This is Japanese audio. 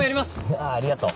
あぁありがとう。